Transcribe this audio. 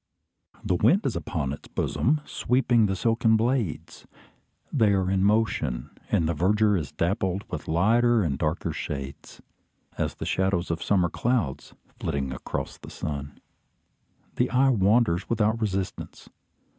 The wind is upon its bosom, sweeping the silken blades. They are in motion; and the verdure is dappled into lighter and darker shades, as the shadows of summer clouds flitting across the sun. The eye wanders without resistance.